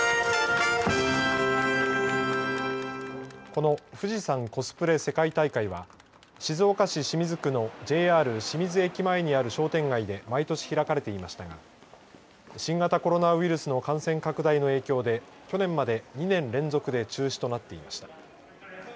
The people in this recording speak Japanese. この富士山コスプレ世界大会は静岡市清水区のＪＲ清水駅前にある商店街で毎年開かれていましたが新型コロナウイルスの感染拡大の影響で去年まで２年連続で中止となっていました。